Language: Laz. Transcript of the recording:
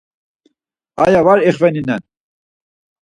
Aya var ixveninen.